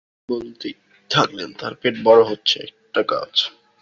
তিনি বলতেই থাকলেন, তাঁর পেটে বড় হচ্ছে একটা গাছ।